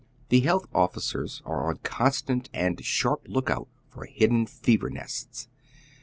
The health officers are on constant and sharp lookout for hid den fever nests.